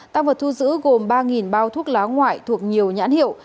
tăng vật thu giữ gồm ba bao thuốc lá ngoại thuộc nhiều nhãn hiệu